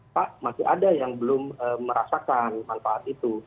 pak masih ada yang belum merasakan manfaat itu